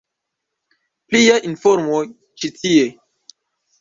Pliaj informoj ĉi tie.